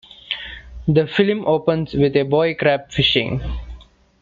The film opens with a boy crab fishing.